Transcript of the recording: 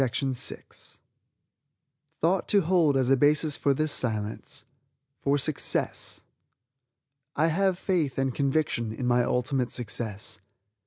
THOUGHT TO HOLD AS A BASIS FOR THIS SILENCE FOR SUCCESS "I Have Faith and Conviction in My Ultimate Success."